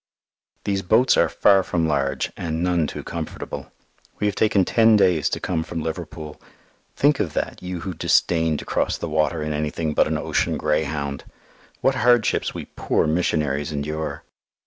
These boats are far from large and none too comfortable. We have taken ten days to come from Liverpool. Think of that, you who disdain to cross the water in anything but an ocean greyhound! What hardships we poor missionaries endure!